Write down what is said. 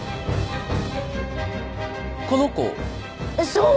そう！